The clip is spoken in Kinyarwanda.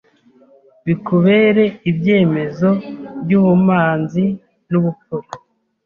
Bikubere ibyemezo By'ubumanzi n'ubupfura